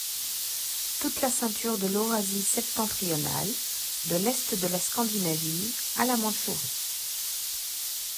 Toute la ceinture de l’Eurasie septentrionale, de l’est de la Scandinavie à la Mandchourie.